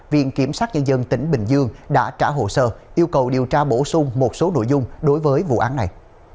viện kiểm sát nhân dân tỉnh bình dương đã trả hồ sơ yêu cầu điều tra bổ sung một số nội dung đối với vụ án này